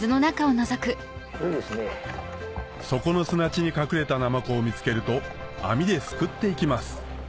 底の砂地に隠れたナマコを見つけると網ですくっていきます